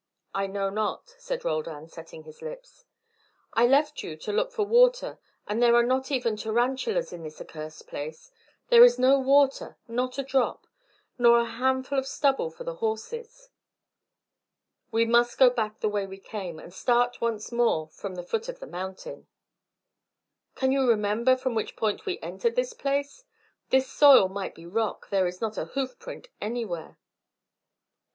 "I know not," said Roldan, setting his lips. "I left you to look for water, and there are not even tarantulas in this accursed place. There is no water, not a drop. Nor a handful of stubble for the horses." "We must go back the way we came, and start once more from the foot of the mountain." "Can you remember from which point we entered this place? This soil might be rock; there is not a hoof print anywhere."